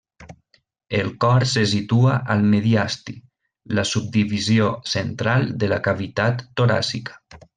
El cor se situa al mediastí, la subdivisió central de la cavitat toràcica.